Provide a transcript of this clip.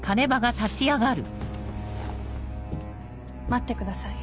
待ってください。